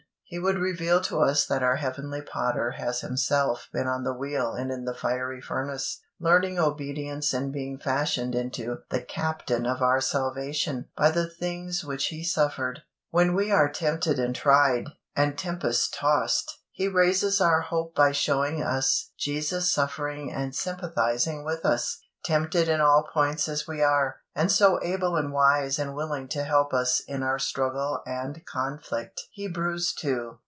He would reveal to us that our Heavenly Potter has Himself been on the wheel and in the fiery furnace, learning obedience and being fashioned into "the Captain of our salvation" by the things which He suffered. When we are tempted and tried, and tempest tossed, He raises our hope by showing us Jesus suffering and sympathising with us, tempted in all points as we are, and so able and wise and willing to help us in our struggle and conflict (Hebrews ii.